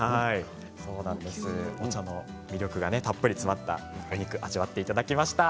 お茶の魅力がたっぷり詰まったお肉を味わっていただきました。